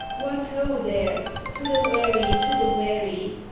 " What ho, there ! To the wherry, to the wherry